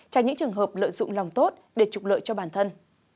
tránh những trường hợp lợi dụng lòng tốt để trục lợi cho bản thân